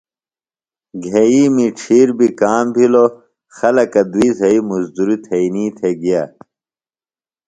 گھئِیمی ڇِھیر بیۡ کام بِھلوۡ۔ خلکہ دُئی زھئی مُزدُریۡ تھئینی تھےۡ گِیا۔